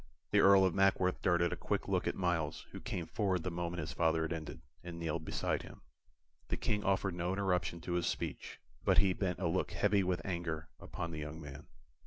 The Earl of Mackworth darted a quick look at Myles, who came forward the moment his father had ended, and kneeled beside him. The King offered no interruption to his speech, but he bent a look heavy with anger upon the young man.